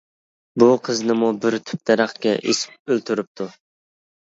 بۇ قىزنىمۇ بىر تۈپ دەرەخكە ئېسىپ ئۆلتۈرۈپتۇ.